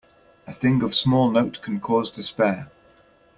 A thing of small note can cause despair.